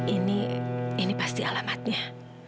ini ini pasti alamatnya